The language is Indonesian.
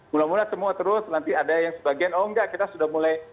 mula mula semua terus nanti ada yang sebagian oh enggak kita sudah mulai